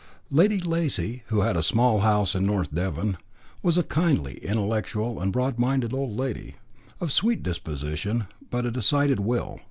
Lady Lacy, who had a small house in North Devon, was a kindly, intellectual, and broad minded old lady, of sweet disposition but a decided will.